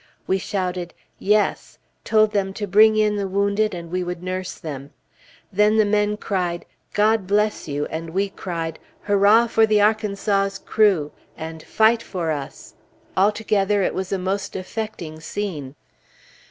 We shouted "Yes!" told them to bring in the wounded and we would nurse them. Then the men cried, "God bless you," and we cried, "Hurrah for the Arkansas's crew," and "Fight for us!" Altogether it was a most affecting scene.